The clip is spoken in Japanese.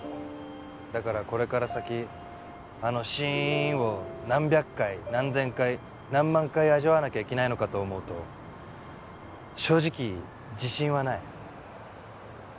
だからこれから先あの「シーン」を何百回何千回何万回味わわなきゃいけないのかと思うと正直自信はない。